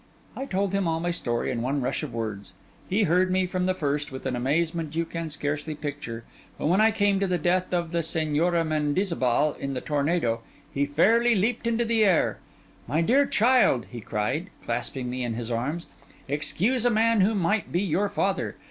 I told him all my story in one rush of words. He heard me, from the first, with an amazement you can scarcely picture, but when I came to the death of the Señora Mendizabal in the tornado, he fairly leaped into the air. 'My dear child,' he cried, clasping me in his arms, 'excuse a man who might be your father!